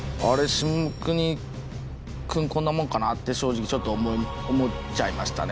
下國君こんなもんかな？って正直ちょっと思っちゃいましたね